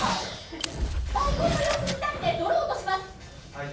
大根の様子を見たいんで泥を落とします。